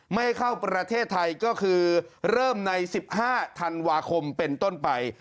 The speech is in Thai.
ไม่เข้าประเทศไทยก็คือเริ่มใน๑๕ธันวาคมเป็นต้นไป